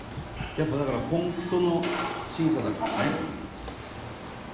「やっぱだから本当の審査だからね」